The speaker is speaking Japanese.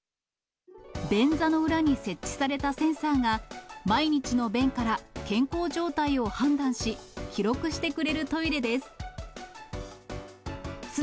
便座の裏に設置されたセンサーが、毎日の便から健康状態を判断し、記録してくれるトイレです。